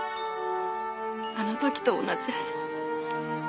あの時と同じ味。